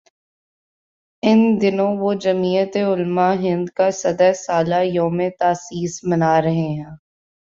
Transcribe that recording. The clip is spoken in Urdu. ان دنوں وہ جمعیت علمائے ہندکا صد سالہ یوم تاسیس منا رہے ہیں۔